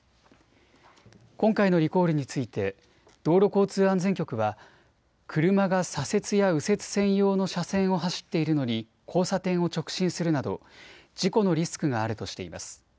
今回のリコールについて道路交通安全局は車が左折や右折専用の車線を走っているのに交差点を直進するなど事故のリスクがあるとしています。